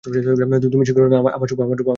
তুমি শীঘ্র এসো, আমার শুভ, আমার ধ্রুব, আমার এক।